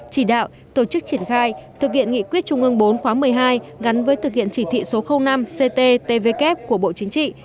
chỉ đạo tổ chức triển khai thực hiện nghị quyết trung ương bốn khóa một mươi hai gắn với thực hiện chỉ thị số năm cttvk của bộ chính trị